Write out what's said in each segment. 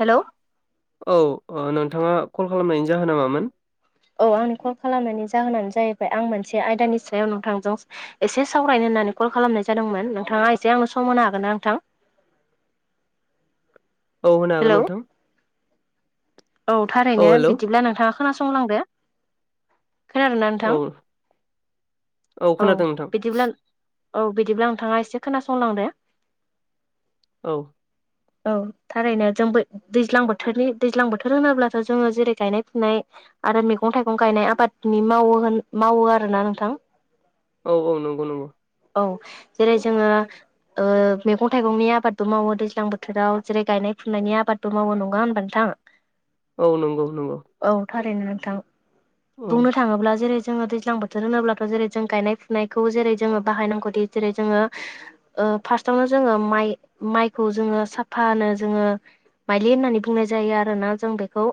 Hello औ ओ नोंथाङा कल खालामनायनि जाहोना मामोन औ आंनि कल खालामनायनि जाहोनानो जाहैबाय आं मोनसे आयदानि सायाव नोंथांजों एसे सावरायनो होननानै कल खालामनाय जादोंमोन नोंथाङा एसे आंनो सम होनो हागोन ना नोंथां [inaudible] औ होनो हागोन हेलौ नोंथां औ थारैनो बिदिब्ला नोंथाङा खोनासंलांदो खोनादों ना औ नोंथां औ खोनादों नोंथां औ बिदिब्ला नोंथाङा एसे खोनासंलांदो औ औ थारैनो जोंबो दैज्लां बोथोरनि दैज्लां बोथोर होनोब्लाथ' जोङो जेरै गायनाय फुनाय आरो मैगं थाइगं गायनाय आबादनि मावो होन मावो आरोना नोंथां औ औ नंगौ नंगौ औ जेरै जोङो ओ मैगं थाइगंनि आबादबो मावो दैज्लां बोथोराव जेरै गायनाय फुनायनि आबादबो मावो नङा होनबा नोथां [inaudible] औ नंगौ नंगौ थारैनो नोंथां बुंनो औ थाङोब्ला जेरै जोङो दैज्लां बोथोर होनोब्लाथ' जेरै जों गायनाय फुनायखौ जेरै जोङो बाहायनांगौ दि जेरै जोङो ओ फास्तावनो जोङो माइ माइखौ जोङो साफानो जोङो माइलि होननानै बुंनाय जायो आरोना जों बेखौ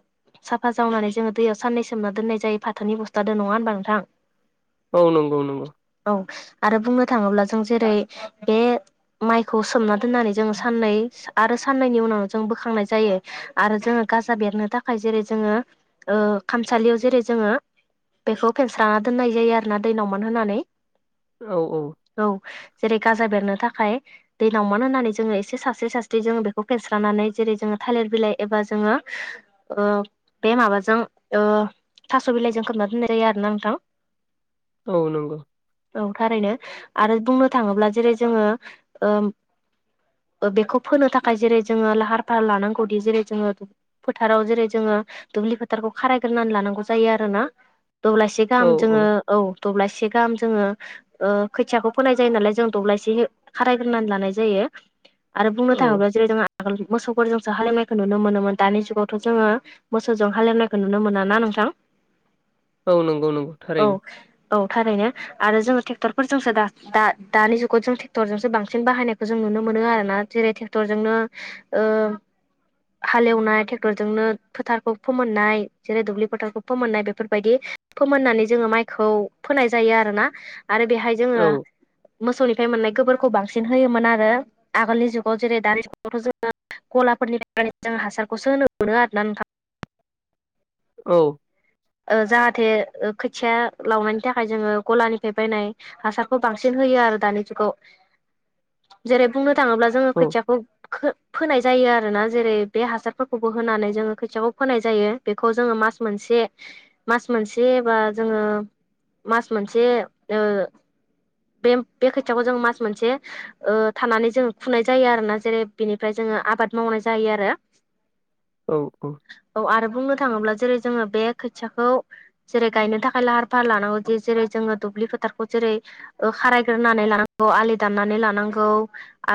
साफा जावनानै जोङो दैयाव साननै सोमना दोननाय जायो फाथोनि बस्थादो नङा होनबा नोंथां औ नंगौ नंगौ औ आरो बुंनो थाङोब्ला जों जेरै बे माइखौ सोमना दोननानै जोङो साननै आरो साननैनि उनाव जों बोखांनाय जायो आरो जोङो गाजा बेरनो थाखाय जेरै जोङो ओ खामसालियाव जेरै जोङो बेखौ फेनस्रना दोननाय जायो आरोना दै नावमान होनानै औ जेरै गाजा बेरनो थाखाय दैनावमान होननानै जोङो एसे सासस्रि सासस्रि जोङो बेखौ फेस्रानानै जेरै जोङो थालिर बिलाइ एबा जोङो ओ बे माबाजों ओ थास' बिलाइजों खोबना दोननाय जायो आरोना नोंथां औ नंगौ औ थारैनो आरो बुंनो थाङोब्ला जेरै जोङो ओ बेखौ फोनो थाखाय जेरै जोङो लाहार फाहार लानांगौदि जेरै जोङो फोथाराव जेरै जोङो दुब्लि फोथारखौ खारायग्रोनानै लानांगौ जायो आरोना दब्लायसे गाहाम जोङो औ दब्लायसे गाहाम जोङो ओ खोथियाखौ फोनाय जायो नालाय जों दब्लायसे खारायग्रानै लानाय जायो आरो बुंनो औ थाङोब्ला जेरै जों आगोल मोसौफोरजोंसो हालेवनायखौ नुनो मोनोमोन दानि जुगावथ' जोङो मोसौजों हालेवनायखौ नुनो मोना ना नोंथां [inaudible] औ नंगौ नंगौ औ थारैनो औ थारैनो आरो जोङो टेग ट्रेक्टर फोरजों दा दा दानि जुगाव जों ट्रेक्टरजोंसो बांसिन बाहायनायखौ जों नुनो मोनो आरोना जेरै टेक्टर जों नो ओ हालेवनाय ट्रेक्टरजोंनो फोथारखौ फोमोननाय जेरै दुब्लि फोथारखौ फोमोननाय बेफोरबायदि फोमोननानै जोङो माइखौ फोनाय जायो आरोना आरो बेहाय औ जोङो मोसौनिफ्राय मोननाय गोबोरखौ बांसिन होयोमोन आरो आगोलनि जुगाव जेरै दानि जुगावथ' जोङो गलाफोरनि थाखाय जों हासारखौसो होनो मोनो आरो ना नोंथां औ ओ जाहाथे खोथिया लावनायनि थाखाय जोङो गलानिफ्राय बायनाय हासारखौ बांसिन होयो आरो दानि जुगाव जेरै बुंनो थाङोब्ला जोङो औ खोथियाखौ फो फोनाय जायो आरोना जेरै बे हासारफोरखौबो होनानै जोङो खोथियाखौ फोनाय जायो बेखौ जोङो मा मास मोनसे मास मोनसे बा जोङो मास मोनसे ओ बे बे खोथियाखौ जों मास मोनसे ओ थानानै जों फुनाय जायो आरोना जेरै बेनिफ्राय जों जो आबाद मावनाय जायो आरो। औ औ औ आरो बुंनो थाङोब्ला जेरै जोङो बे खोथियाखौ जेरै गायनो थाखाय लाहार फाहार लानांगौ जे जेरै जोङो दुब्लि फोथारखौ जेरै खारायग्रोनानै लानांगौ आलि दाननानै लानांगौ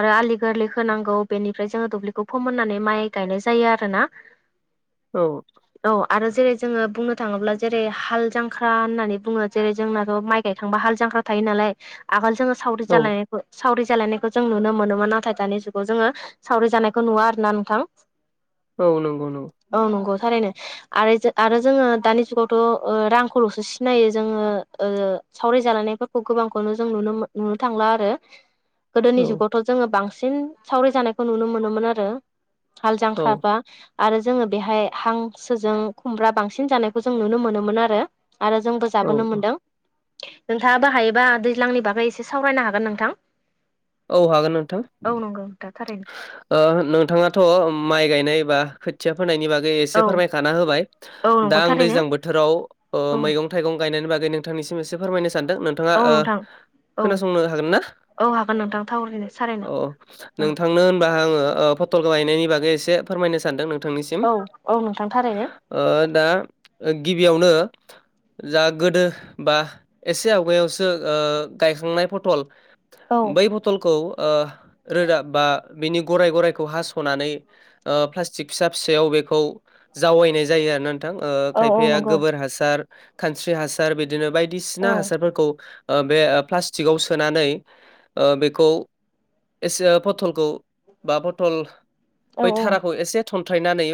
आरो आलि गोरलै होनांगौ बेनिफ्राय जोङो दुब्लिखौ फोमोननानै माइ गायनाय जायो आरो ना। औ आरो जेरै जोङो बुंनो थाङोब्ला जेरै हाल जांख्रा होननानै बुङो जेरै जोंनाथ' माइ गाय थांबा हाल जांख्रा थायो नालाय आगोल जोङो सावरि औ जालायनायखौ सावरि जालायनायखौ जों नुनो मोनोमोन नाथाय दानि जुगाव जोङो सावरि जानायखौ नुवा आरो ना नोंथां। औ नंगौ नंगौ औ नंगौ थारैनो आरो आरो जोङो दानि जुगावथ' रांखौल'सो सिनायो जोङो सावराय जालायनायफोरखौ गोबांखौनो जों नुनो थांला आरो। गोदोनि औ जुगावथ' जोङो बांसिन सावरि जानायखौ नुनो मोनोमोन आरो। हाल औ जांख्राबा आरो जोङो बेहाय हांसोजों खुमब्रा बांसिन जानायखौ जों नुनो मोनोमोन आरो आरो जोंबो औ जाबोनो मोनदों। नोंथाङा बाहायोबा दैज्लांनि बागै एसे सावरायनो हागोन नोंथां। औ हागोन नोंथां औ नंगौ नोंथां थारैनो नोंथाङाथ' माइ गायनाय बा खोथिया फोनायनि बागै औ फोरमायखाना होबाय औ दा नंगौ आं थारैनो दैजां बोथोराव औ मैगं थाइगं गायनायनि बागै आ नोंथांनिसिम एसे फोरमायनो सानदों नोंथाङा औ नोंथां औ खोनासंनो हागोन ना? औ हागोन नोंथां थावरैनो सारायनो अ नोंथांनो होनबा आङो पटल गायनायनि बागै एसे फोरमायनो सानदों नोंथां। औ औ नोंथां थारैनो ओ दा गिबियावनो जा गोदो बा एसे आवगायावसो ओ गायखांनाय फटल औ बै फथलखौ ओ रोदा बा बिनि गराय गरायखौ हास'नानै ओ प्लास्टिक फिसा फिसायाव बेखौ जावायनाय जायो आरोना नों थां ओ औ औ खायफाया नंगौ गोबोर हासार खानस्रि हासार बिदिनो औ बायदिसिना हासारफोरखौ ओ बे प्लास्टिकआव सोनानै ओ बेखौ एसे पथलखौ बा पथल औ बै थाराखौ एसे थन्थ्रायनानै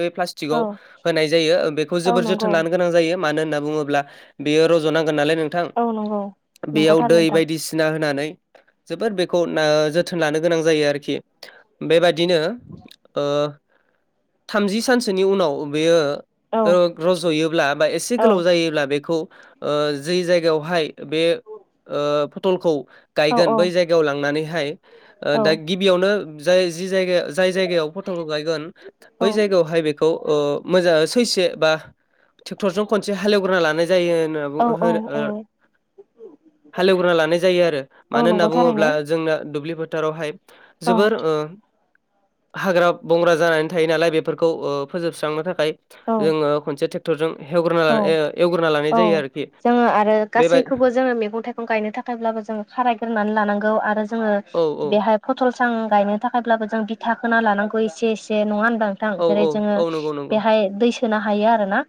औ प्लासटिगाव होनाय जायो बेखौ औ जोबोर नंगौ जोथोन लानो गोनां जायो मानो होनना बुङोब्ला बेयो रज'नांगोन। गोन नालाय नोंथां औ नंगौ नंगौ बेयाव थारैनो दै नोंथां बायदिसिना होनानै जोबोर बेखौ ओ जोथोन लानो गोनां जायो आरोखि बेबादिनो ओ थामजि सानसोनि उनाव बेयो औ रज'योब्ला बा एसे औ गोलाव जायोब्ला बेखौ ओ जै जायगायावहाय बे ओ फटलखौ औ गायगोन औ बै जायगायाव लांनानैहाय ओ औ दा गिबियावनो जाय जि जाय जाय फथलखौ गायगोन बै जायगायावहाय बेखौ ओ मोजा सैसे बा ट्रेक्टर जों खनसे हालेवग्रोना लाना औ औ औ हालेवग्रोना लानाय जायो आरो। औ मानो होनना नंगौ थारैनो बुङोब्ला जोंना दुब्लि फोथारावहाय औ जोबोर ओ हाग्रा-बंग्रा जानानै थायो नालाय बेफोरखौ फोजोबस्रांनो थाखाय औ जोङो खनसे थेक्टरजों हेवग्रोना ला औ ओ एवग्रो औ जोङो आरो गासैखौबो जोङो मैगं-थाइगं गायनो थाखायब्लाबो जोङो खाराय नानै लानांगौ आरो जोङो औ औ बेहाय फथल सां गायनो थाखायब्लाबो जों बिथा खोना लानांगौ एसे एसे नङा होन नोंथां औ जेरै औ जोङो औ नंगौ नंगौ बेहाय दै सोनो हायो आरोना।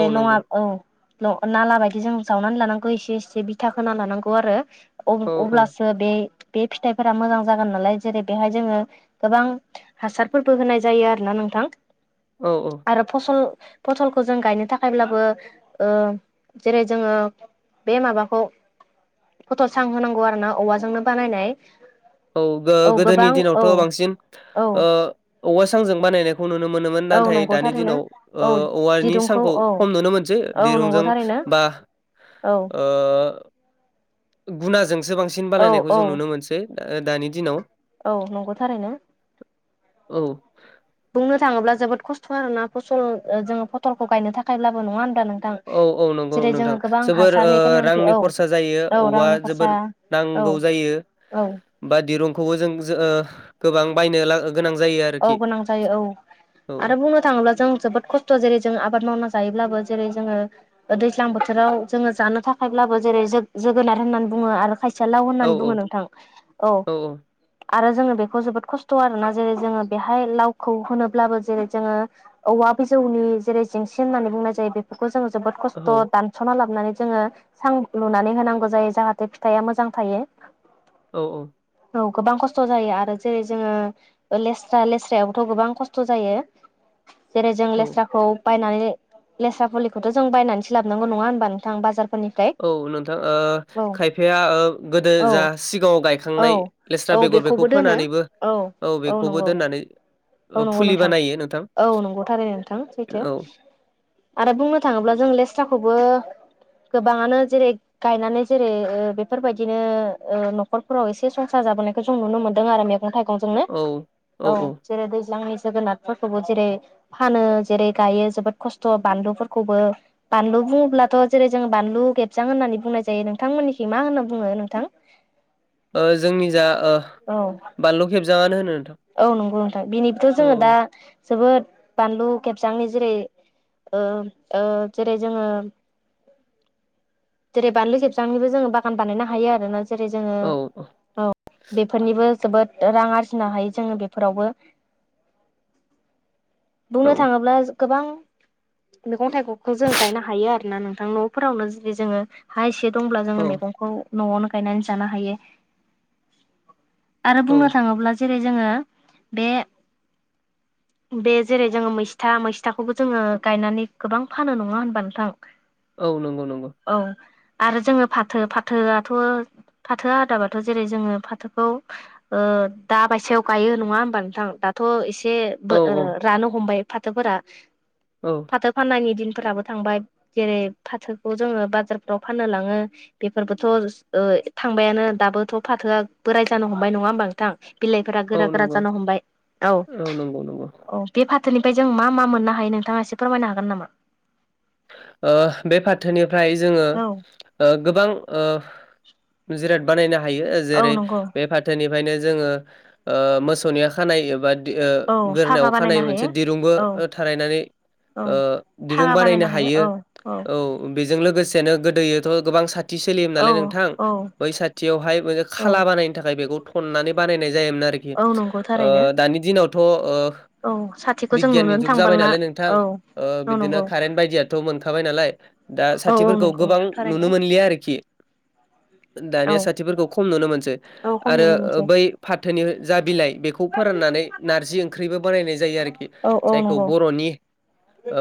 औ लङा नंगौ औ नाला बायदि जों जाव नानै लानांगौ इसे इसे बिथा खोना लानांगौ आरो अ औ अब्लासो बे बे फिथाइफोरा मोजां जागोन नालाय जेरै बेहाय जोङो गोबां हासारफोरबो होनाय जायो आरोना नोंथां। औ औ आरो फसल फसलखौ जों गायनो था खायब्लाबो ओ जेरै जोङो बे माबाखौ फथ' सां होनांगौ आरो ना औवाजोंनो बानायनाय औ ओ औ गोदोनि गोबां औ दिनावथ' बांसिन औ ओ औवा सांजों बानायनाय खौ नुनो मोनोमोन औ नाथाय नंगौ दानि थारैनो दिनाव ओ औ औवानि दिरुंखौ सांखौ औ खम नुनो मोनसै औ नंगौ दिरुंजों थारैनो बा औ ओ गुनाजोंसो बांसिन औ बानायनायखौ औ जों नुनो मोनसै दानि दिनाव। औ नंगौ थारैनो औ बुंनो थाङोब्ला जोबोद खस्थ' आरोना फसल ओ जोङो फथलखौ गायनो थाखाय लाबो नङा होन औ औ नंगौ नोंथां जोबोर ओ हासारनि गोनांथि रांनि औ खरसा जायो औ औवा रांनि खरसा जोबोर औ नांगौ जायो औ बा दिरुंखौबो जों जो ओ गोबां बायनो ला गोनां जायो औ आरोखि गोनां जायो औ औ आरो बुंनो थाङोब्ला जों जोबोद खस्थ' जेरै जों आबाद मावना जायोब्लाबो जेरै जोङो दैज्लां बोथोराव जोङो जानो थाखायब्लाबो जेरै जो जोगोनार होननानै बुङो आरो खाय सेया लाव औ होननानै बुङो नोंथां औ आरो जोङो बेखौ जोबोद खस्थ' आरोना जेरै जोङो बेहाय लावखौ होनोब्लाबो जेरै जोङो औवा बिजौनि जेरै जेंसि होननानै बुंनाय जायो बेफोरखौ जोङो जोबोद औ कस्थ दानस'ना ला नानै जोङो सां लुनानै होनांगौ जायो जाहाथे फिथाइया मोजां थायो। औ औ औ गोबां खस्थ' जायो आरो जेरै जोङो लेस स्रा लेस्रायावथ' गोबां खस्थ' जायो जेरै जों औ लेस्राखौ बायनानै लेस्रा फुलिखौथ' जों बायनानैसो लाबनांगौ नङा होनोमबा नोंथां बाजार औ नोंथां ओ खायफाया ओ गोदो औ जा सिगाङाव औ गायखांनाय औ लेस्रा बेगर बेगर बेखौबो बेखौ दोनो फोनानैबो औ बेखौबो दोननानै औ ओ नंगौ फुलि नोंथां बानायो नोंथां औ नंगौ थारै नोंथां सैथो औ आरो बुंनो थाङोब्ला जों लेस्राखौबो गोबाङानो जेरै गायनानै जेरै बेफोरबायदिनो ओ न'खरफोराव एसे संसार जाबो जों नुनो मोनदों आरो मैगं थाइगं जोंनो औ औ जेरै दैज्लांनि जोगोनारफोरखौबो जेरै फानो जेरै गायो जोबोद खसथ' बानलुफोरखौबो बानलु बुङोब्लाथ' जेरै जों बानलु खेबसां होननानै बुंनाय जायो नोंथांमोननिखि मा होनना बुङो नोंथां। [inaudible] ओ जोंनि जा ओ औ बानलु खेबजाङानो होनो। नोंथां औ नंगौ नोंथां बेनिबोथ' औ जोङो दा जोबोद बानलु खेबजांनि जेरै जेरै ओ ओ जोङो जेरै बानलु खेबजांनिबो जोङो बागान बानायनो हायो आरोना। जेरै जोङो औ बेफोरनिबो जोबोद रां आरजिनो हायो जोङो बेफोरावबो बुंनो औ थाङोब्ला गोबां मैगं थाइगंखौ जों गायनो हायो आरोना नों न'फोरावनो जुदि जोङो हा एसे दंब्ला जोङो औ मैगंखौ न'यावनो गायनानै जानो हायो आरो औ बुंनो थाङोब्ला जेरै जोङो बे बे जेरै जोङो मैसथा मैसथाखौबो जोङो गायनानै गोबां फानो नङा होनबा नोंथां। औ नंगौ नंगौ औ आरो जोङो फाथो फाथोयाथ' फाथो आदाबाथ' जेरै जोङो फाथोखौ दाबायसेयाव गायो नङा होमबा नोंथां? दा थ' एसे औ औ रानो हमबाय फाथोफोरा औ फाथो फाननायनि फोराबो थांबाय जेरै फाथोखौ जोङो बाजारफ्राव फाननो लाङो बेफोरबोथ' ओ थांबायानो दाबोथ' फाथोया बोराय जानो हमबाय नङा होमबा नोंथां बिलाइफोरा औ गोरा गोरा नंगौ जानो हमबाय औ नंगौ नंगौ औ बे फाथोनिफ्राय जों मा मा मोननो हायो नोंथाङा एसे फोरमायनो हागोन नामा? ओ बे फाथोनिफ्राय जोङो औ ओ गोबां ओ जिराद बानायनो हायो औ जेरै नंगौ बे फाथोनि खायनो जोङो ओ मोसौनिया खानाय एबा ओ औ फागा गोरोनाव खानाय बानायनो मोनसे हायो दिरुंबो औ थारायनानै औ ओ दिरुं फागा बानायनो हा हायो यो औ औ बेजों लोगोसेनो गोदोथ' गोबां सा थि सोलियोमोन औ नालाय नोंथां औ बै साथियावहाय औ खाला बानायनो थाखाय बेखौ थननानै बानायनाय जायोमोन आरो रोखि औ नंगौ ओ थारैनो दानि दिनावथ' ओ औ साथिखौ जों बिगियाननि नुनोनो जुग जाबाय थांबांला नालाय नोंथां औ ओ औ बिदिनो नंगौ कारेन्ट बायदिया मोनखाबाय नालाय दा औ औ साथिफोरखौ नंगौ गोबां नोंथां थारैनो नुनो मोनलिया आरोखि दानिया औ साथिफोरखौ खम नुनो मोनसै औ खम नुनो आरो मोनसै बै फाथोनि जा बिलाइ बेखौ फोराननानै नारजि ओंख्रिबो बानायनाय जायो आरोखि औ औ जायखौ नंगौ बर'नि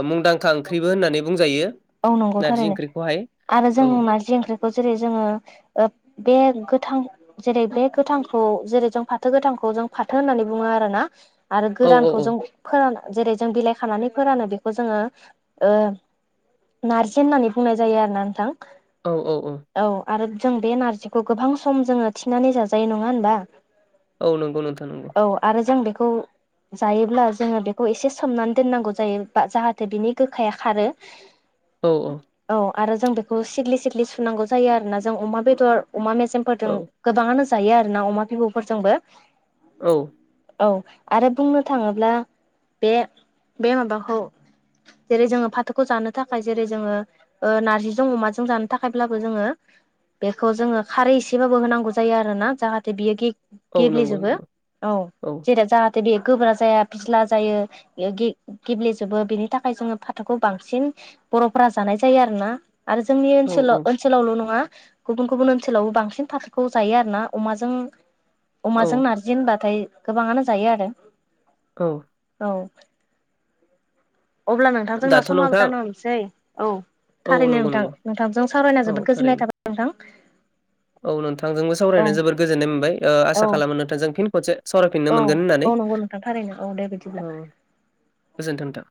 मुंदांखा ओंख्रिबो होननानै बुंजायो औ नंगौ नारजि थारैनो ओंख्रिखौहाय आरो जों औ नारजि ओंख्रिखौ जेरै जोङो ओ बे गोथां जेरै बे गोथांखौ जेरै जों फाथो गोथांखौ जों फाथो होननानै बुङो आरोना आरो औ औ गोरानखौ औ जों फोरान जेरै जों बिलाइ खानानै फोरानो बेखौ जोङो ओ नारजि होननानै बुंनाय जायो आरोना नोंथां औ औ औ आरो जों बे नारजिखौ गोबां सम जोङो थिनानै जाजायो नङा होनबा औ नंगौ नोंथां नंगौ खौ जायोब्ला जोङो बेखौ एसे सोमनानै दोननांगौ जायो बा जाहाथे बिनि गोखाया खारो औ औ आरो जों बेखौ सिगलि सिगलि सुनांगौ जायो आरोना जों अमा बेदर अमा औ मेजेमफोरजों गोबाङानो जायो आरोना अमा बिबुफोरजोंबो औ औ आरो बुंनो थाङोब्ला बे बे माबाखौ जेरै जोङो फाथो खौ जानो थाखाय जेरै जोङो ओ नार्जिजों अमाजों जानो थाखायब्लाबो जोङो बेखौ जोङो खारै एसेबाबो होनांगौ जायो आरो ना जाहाथे बियो गे औ नंगौ गेब्लेजोबो नंगौ औ जेरै जाहा बे गोबरा जाया फिस्ला जायो गे गेब्लेजोबो बेनि थाखाय जोङो फाथोखौ बांसिन बर'फोरा जानाय जायो आरोना आरो जोंनि औ औ ओनसोलाव ओनसोलावल' नङा गुबुन गुबुन ओनसोलावबो बांसिन फाथोखौ जायो आरो ना अमाजों औ अमाजों नार्जि होनबाथाय गोबाङानो जायो आरो औ औ अब्ला नोंथां जोंना दाथ' समाबो नोंथां जानो हमसै औ औ थारैनो नंगौ नोंथां नंगौ नोंथांजों सावरायना औ जोबोद थारैनो गोजोननाय थाबाय नोंथां औ नोंथांजोंबो औ सावरायनाय जोबोद गोजोननाय मोनबाय ओ आसा औ खालामो नोंथांजों फिन खनसे सावरायफिननो औ मोनगोन होननानै औ नंगौ नोंथां थारैनो औ दे बिदिब्ला। औ गोजोन्थों नोंथां